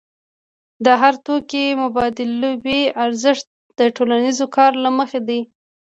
د هر توکي مبادلوي ارزښت د ټولنیز کار له مخې دی.